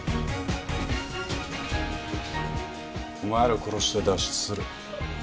お前ら殺して脱出する。